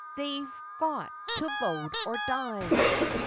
they've got to load or die.